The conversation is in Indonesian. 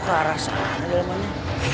kok ke arah sana dari mana